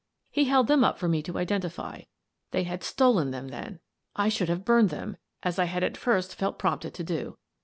He held them up for me to identify, — they had stolen them, then! I should have burned them, as I had at first felt prompted to do.